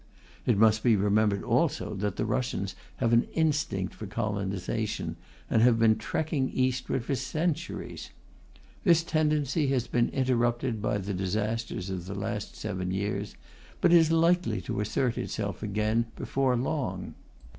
It must be remembered also that the Russians have an instinct for colonization, and have been trekking eastward for centuries. This tendency has been interrupted by the disasters of the last seven years, but is likely to assert itself again before long.